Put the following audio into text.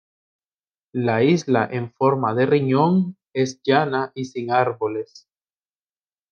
La isla en forma de riñón es llana y sin árboles.